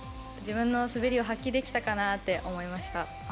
自分の滑りを発揮できたかなって思いました。